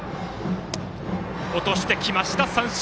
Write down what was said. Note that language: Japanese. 落としてきました、三振。